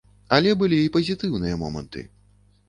Але былі і пазітыўныя моманты.